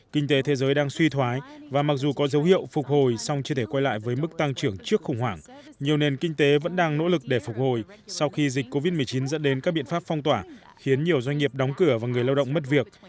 kinh tế thế giới đang suy thoái và mặc dù có dấu hiệu phục hồi xong chưa thể quay lại với mức tăng trưởng trước khủng hoảng nhiều nền kinh tế vẫn đang nỗ lực để phục hồi sau khi dịch covid một mươi chín dẫn đến các biện pháp phong tỏa khiến nhiều doanh nghiệp đóng cửa và người lao động mất việc